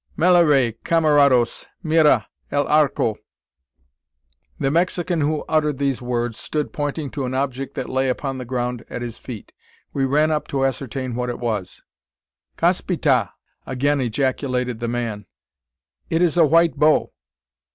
"Malaray, camarados; mira el arco!" The Mexican who uttered these words stood pointing to an object that lay upon the ground at his feet. We ran up to ascertain what it was. "Caspita!" again ejaculated the man. "It is a white bow!"